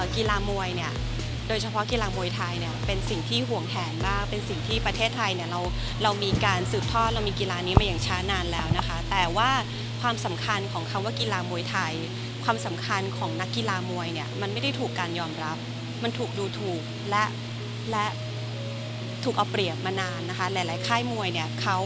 กีฬามวยเนี่ยโดยเฉพาะกีฬามวยไทยเนี่ยเป็นสิ่งที่ห่วงแทนมากเป็นสิ่งที่ประเทศไทยเนี่ยเราเรามีการสืบทอดเรามีกีฬานี้มาอย่างช้านานแล้วนะคะแต่ว่าความสำคัญของคำว่ากีฬามวยไทยความสำคัญของนักกีฬามวยเนี่ยมันไม่ได้ถูกการยอมรับมันถูกดูถูกและและถูกเอาเปรียบมานานนะคะหลายค่ายมวยเนี่ยเขา